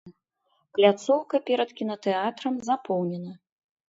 Пляцоўка перад кінатэатрам запоўнена.